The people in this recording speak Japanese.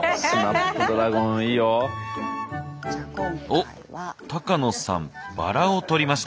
おっ高野さんバラを取りました。